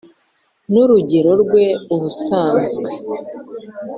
n'urugero rwe ubusanzwe,